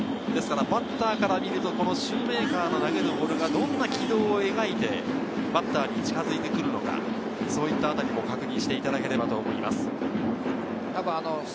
バッターから見るとシューメーカーの投げるボールがどんな軌道を描いてバッターに近づいてくるのか、そういったあたりも確認していただければと思います。